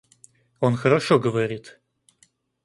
Он хорошо говорит.